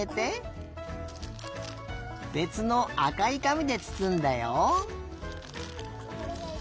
べつのあかいかみでつつんだよ。